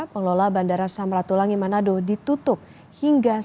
pengelola bandara samratulangi manado ditutup hingga